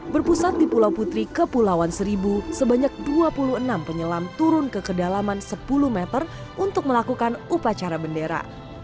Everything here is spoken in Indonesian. berpusat di pulau putri kepulauan seribu sebanyak dua puluh enam penyelam turun ke kedalaman sepuluh meter untuk melakukan upacara bendera